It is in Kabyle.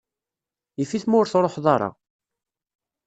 Yif-it ma ur truḥeḍ ara.